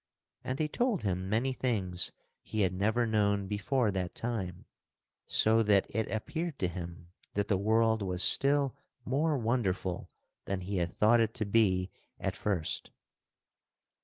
And they told him many things he had never known before that time, so that it appeared to him that the world was still more wonderful than he had thought it to be at first.